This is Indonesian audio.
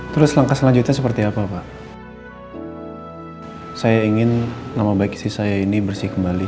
terus langkah selanjutnya seperti apa pak saya ingin nama baik istri saya ini bersih kembali